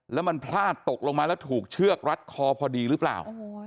แล้วมันพลาดตกลงมาแล้วถูกเชือกรัดคอพอดีหรือเปล่า